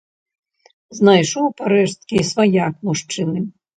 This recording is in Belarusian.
Знайшоў парэшткі сваяк мужчыны.